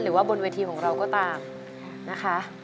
หรือว่าบนวิธีของเราก็ตามนะคะ